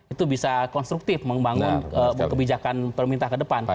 itu bisa konstruktif membangun kebijakan pemerintah ke depan